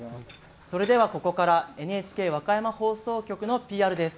それではここからＮＨＫ和歌山放送局のＰＲです。